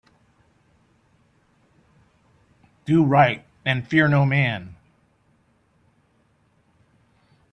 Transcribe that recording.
Do right and fear no man.